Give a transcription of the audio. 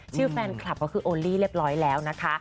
แฟนคลับก็คือโอลี่เรียบร้อยแล้วนะคะ